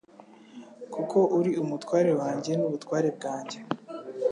Kuko uri umutware wanjye n'ubutware bwanjye